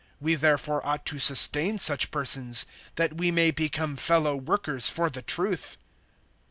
(8)We therefore ought to sustain such persons, that we may become fellow workers for the truth.